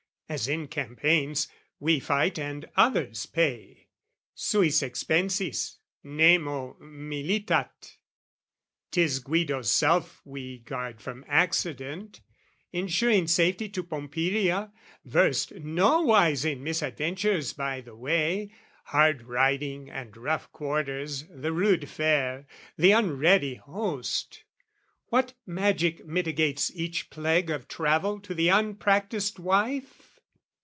As in campaigns, we fight and others pay, Suis expensis, nemo militat. 'Tis Guido's self we guard from accident, Ensuring safety to Pompilia, versed Nowise in misadventures by the way, Hard riding and rough quarters, the rude fare, The unready host. What magic mitigates Each plague of travel to the unpractised wife?